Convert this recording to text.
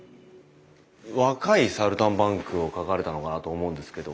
若いサルタンバンクを描かれたのかなと思うんですけど